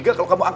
mas itu kan